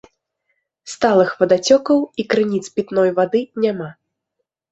Сталых вадацёкаў і крыніц пітной вады няма.